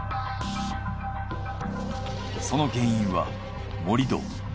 その原因は盛り土。